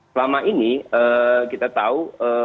selama ini kita tahu